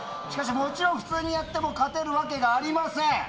しかし、もちろん、普通にやっても勝てるわけがありません。